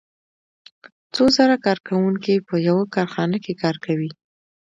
څو زره کارکوونکي په یوه کارخانه کې کار کوي